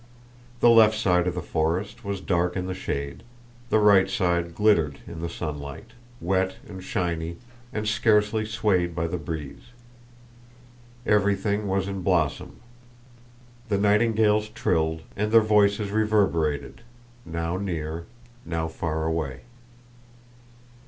The left side of the forest was dark in the shade, the right side glittered in the sunlight, wet and shiny and scarcely swayed by the breeze. Everything was in blossom, the nightingales trilled, and their voices reverberated now near, now far away.